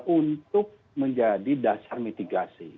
untuk menjadi dasar mitigasi